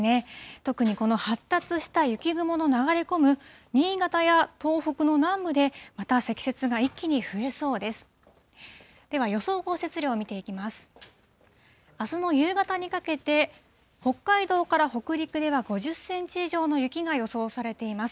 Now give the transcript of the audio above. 特にこの発達した雪雲の流れ込む新潟や東北の南部で、また積雪が一気に増えそうです。